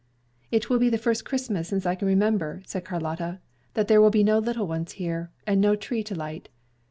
"It will be the first Christmas since I can remember," said Carlotta, "that there will be no little ones here, and no tree to light.